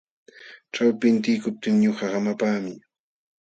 Ćhawpi intiykuptin ñuqa hamapaami.